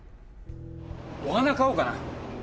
お花買おうかな。